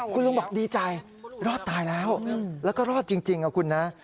คุณลุงบอกดีใจรอดตายแล้วแล้วก็รอดจริงนะคุณนะ